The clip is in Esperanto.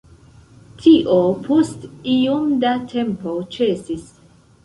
Tio post iom da tempo ĉesis.